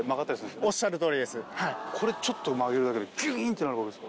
これちょっと曲げるだけでギュイン！ってなるわけです。